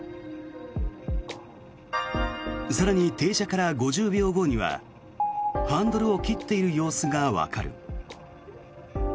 更に、停車から５０秒後にはハンドルを切っている様子がわかる。